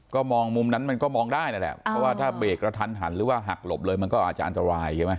ก็ได้มุมนั้นมองได้ถ้าเบรกกระทันหันหรือหักหลบก็อาจจะอันตราย